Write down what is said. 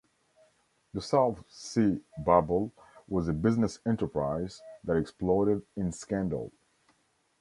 The South Sea Bubble was a business enterprise that exploded in scandal.